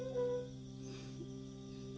kalau tidur disini